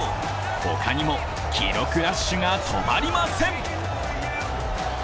ほかにも記録ラッシュが止まりません。